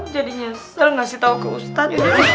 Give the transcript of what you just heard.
jadi nyesel ngasih tau ke ustad